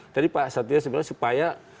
tadi pak setio bilang supaya